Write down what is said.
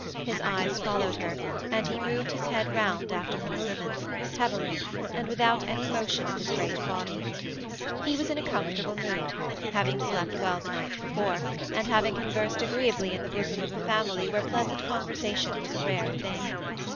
His eyes followed her and he moved his head round after her movements, heavily, and without any motion of his great body. He was in a comfortable mood, having slept well the night before, and having conversed agreeably in the bosom of a family where pleasant conversation was a rare thing.